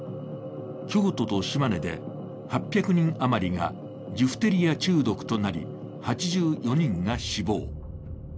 京都と島根で８００人余りがジフテリア中毒となり８４人が死亡。